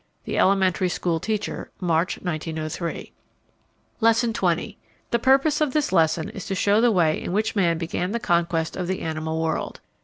The Elementary School Teacher, March, 1903. Lesson XX. The purpose of this lesson is to show the way in which man began the conquest of the animal world.